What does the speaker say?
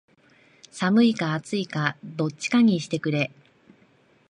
寒いか暑いかどっちかにしてくれ